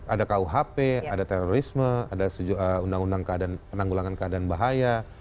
ada kuhp ada terorisme ada undang undang penanggulangan keadaan bahaya